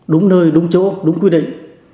đúng nơi đúng chỗ đúng quy định